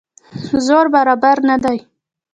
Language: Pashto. زور برابر نه دی.